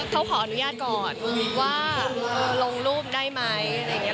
เขาขออนุญาตก่อนว่าลงรูปได้ไหมอะไรอย่างนี้